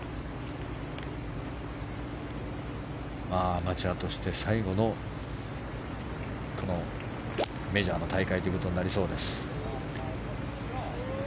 アマチュアとして最後のメジャーの大会ということになりそうです。